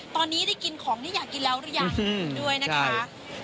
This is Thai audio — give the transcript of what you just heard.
ตอนนี้ได้กินของที่อยากกินแล้วหรือยังด้วยนะคะ